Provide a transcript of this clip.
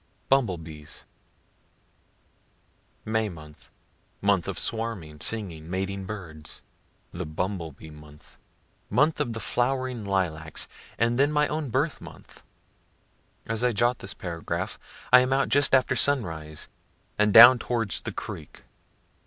BUMBLE BEES May month month of swarming, singing, mating birds the bumble bee month month of the flowering lilac (and then my own birth month.) As I jot this paragraph, I am out just after sunrise, and down towards the creek.